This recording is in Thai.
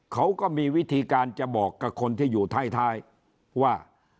เขาก็มีวิธีการจะบอกกับคนที่อยู่ท้ายว่า